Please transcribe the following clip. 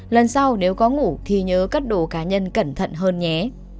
lần sau nếu có ngủ thì nhớ các đồ cá nhân cẩn thận hơn nhé